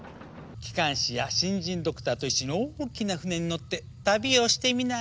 機関士や新人ドクターと一緒に大きな船に乗って旅をしてみない？